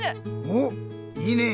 おっいいね。